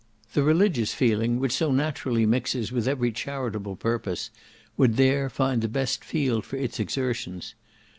The religious feeling, which so naturally mixes with every charitable purpose, would there find the best field for its exertions.